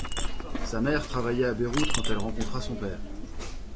Sa mère travaillait à Beyrouth quand elle rencontra son père.